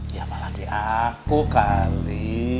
ya apalagi aku kali